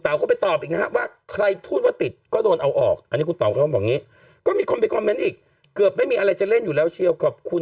ต่ออีกฮะว่าใครพูดว่าติดก็โดนเอาออกนะก็ไม่ก่อนพี่ก่อนอีกเกือบไม่มีอะไรจะเล่นอยู่แล้วแชวคม